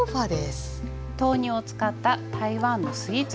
豆乳を使った台湾のスイーツです。